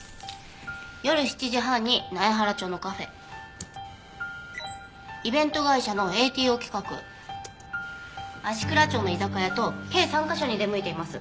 夜７時半に苗原町のカフェイベント会社のＡＴＯ企画芦蔵町の居酒屋と計３カ所に出向いています。